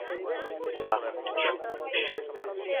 আহা, কী সুপুরুষ!